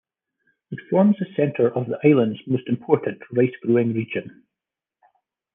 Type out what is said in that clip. It forms the center of the island's most important rice-growing region.